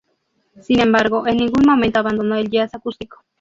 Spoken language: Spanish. Sin embargo, en ningún momento abandonó el jazz acústico.